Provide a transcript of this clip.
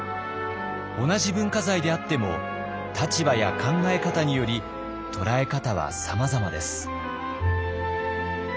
同じ文化財であっても立場や考え方により捉え方はさまざまです。